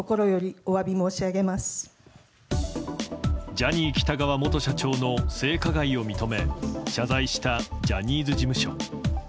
ジャニー喜多川元社長の性加害を認め謝罪したジャニーズ事務所。